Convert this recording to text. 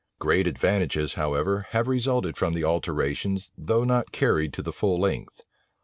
Great advantages, however, have resulted from the alterations though not carried to the full length.